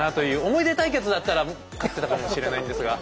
思い出対決だったら勝ってたかもしれないんですが。